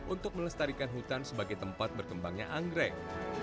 untuk melestarikan hutan sebagai tempat berkembangnya anggrek